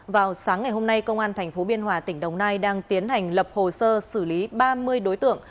vào sáng ngày hôm nay công an tp biên hòa tỉnh đồng nai đang tiến hành lập hồ sơ xử lý ba mươi đối tượng